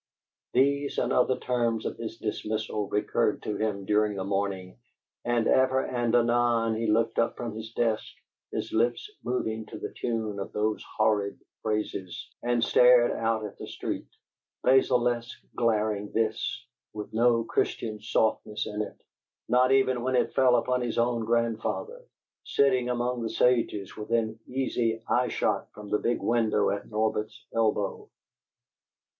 These and other terms of his dismissal recurred to him during the morning, and ever and anon he looked up from his desk, his lips moving to the tune of those horrid phrases, and stared out at the street. Basilisk glaring this, with no Christian softness in it, not even when it fell upon his own grandfather, sitting among the sages within easy eye shot from the big window at Norbert's elbow.